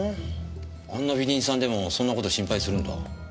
あんな美人さんでもそんなこと心配するんだ。